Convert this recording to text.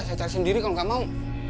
saya cari sendiri kalau nggak mau